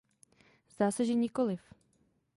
Zdá se, že nikoliv.